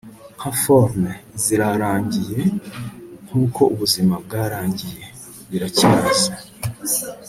nka forme, zirarangiye, nkuko ubuzima bwarangiye! biracyaza